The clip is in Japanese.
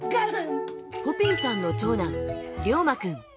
ポピーさんの長男りょうまくん。